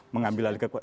mengambil alih kekuatan